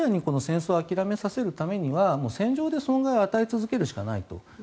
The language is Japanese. そういう意味でロシアに戦争を諦めされるためには戦場で損害を与え続けるしかないと。